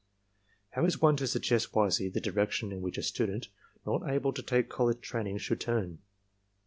How is one to suggest wisely the direction in which a student not able to take college training should turn?